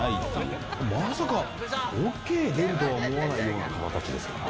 まさか、ＯＫ出るとは思わないような方たちですから。